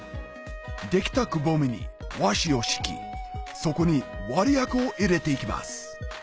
できたくぼみに和紙を敷きそこに割薬を入れていきます